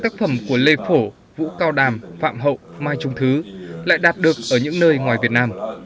tác phẩm của lê phổ vũ cao đàm phạm hậu mai trung thứ lại đạt được ở những nơi ngoài việt nam